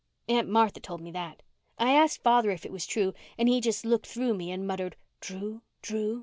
Aunt Martha told me that. I asked father if it was true and he just looked through me and muttered, 'True? True?